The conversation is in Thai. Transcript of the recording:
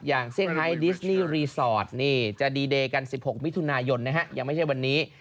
อย่างซิ่งไฮท์ดิสนีย์รีสอร์ทจะดีเดย์กัน๑๖มิถุนายนยังไม่ใช่วันนี้